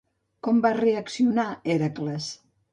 Com va reaccionar Hèracles?